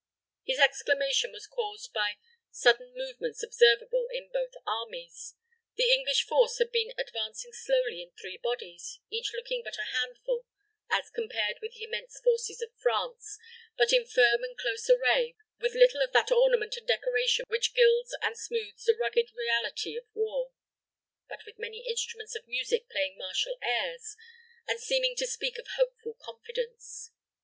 His exclamation was caused by sudden movements observable in both armies. The English force had been advancing slowly in three bodies, each looking but a handful as compared with the immense forces of France, but in firm and close array, with little of that ornament and decoration which gilds and smoothes the rugged reality of war; but with many instruments of music playing martial airs, and seeming to speak of hope and confidence.